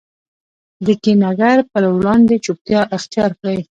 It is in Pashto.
د کینه ګر په وړاندي چوپتیا اختیارکړئ!